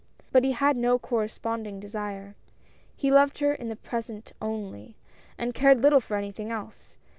But he had no corresponding desire. He loved her in the Present only, and cared little for anything else.